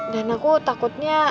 dan aku takutnya